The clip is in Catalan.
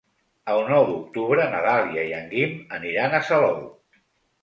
El nou d'octubre na Dàlia i en Guim aniran a Salou.